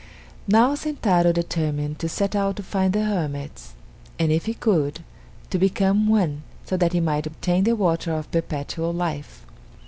Now Sentaro determined to set out to find the hermits, and if he could, to become one, so that he might obtain the water of perpetual life.